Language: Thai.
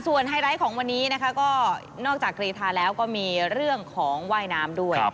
ไฮไลท์ของวันนี้นะคะก็นอกจากกรีธาแล้วก็มีเรื่องของว่ายน้ำด้วย